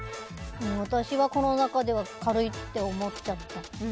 私はこの中では軽いって思っちゃった。